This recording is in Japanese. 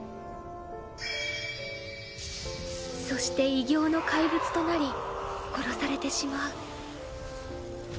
そして異形の怪物となり殺されてしまう。